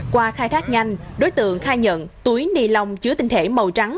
qua khai thác nhanh đối tượng khai nhận túi nilon chứa tinh thể màu trắng